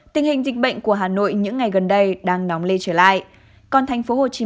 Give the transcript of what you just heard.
tình hình dịch bệnh của hà nội những ngày gần đây đang nóng lê trở lại còn thành phố hồ chí